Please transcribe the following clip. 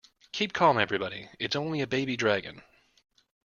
Keep calm everybody, it's only a baby dragon.